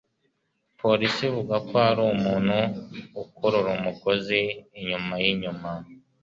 polisi ivuga ko hari umuntu ukurura umugozi inyuma yinyuma